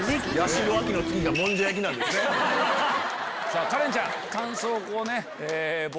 さぁカレンちゃん。